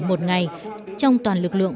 một ngày trong toàn lực lượng